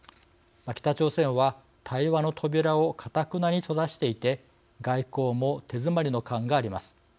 北朝鮮は対話の扉をかたくなに閉ざしていて外交も手詰まりの感があります。